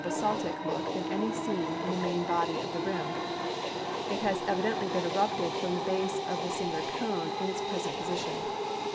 Pallon basaltic look than any seen in the main body of the rim. It has evidently been eruptetl from the base of the cinder cone in its present position.